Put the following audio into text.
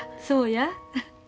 そうや。